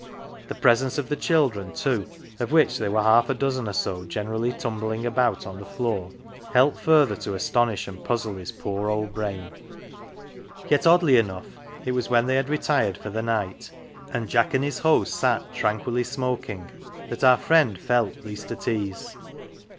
The presence of the children, too, of which there were half a dozen or so generally tumbling about on the floor, helped further to astonish and puzzle his poor old brain ; yet, oddly enough, it was when they had retired for the night, and Jack and his host sat tranquilly smoking, that our friend felt least at ease.